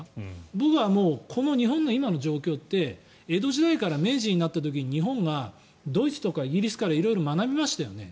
僕はもうこの日本の今の状況って江戸時代から明治になった時に日本がドイツとかイギリスから色々学びましたよね。